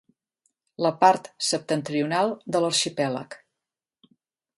La part septentrional de l'arxipèlag.